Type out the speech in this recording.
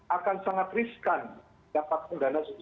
akan sangat riskan dapatkan dana